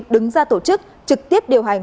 đứng ra tổ chức trực tiếp điều hành